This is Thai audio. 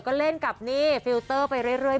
ก็เล่นกับนี่ฟิลเตอร์ไปเรื่อย